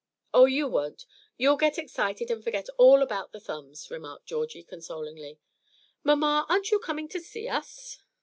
"Oh, you won't. You'll get excited and forget about the thumbs," remarked Georgie, consolingly. "Mamma, aren't you coming to see us?"